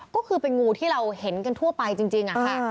ก็คือเป็นงูที่เราเห็นกันทั่วไปจริงค่ะ